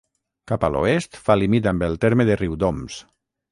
Cap a l'oest fa límit amb el terme de Riudoms.